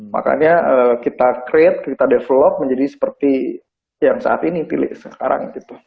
makanya kita create kita develop menjadi seperti yang saat ini pilih sekarang